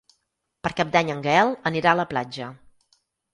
Per Cap d'Any en Gaël anirà a la platja.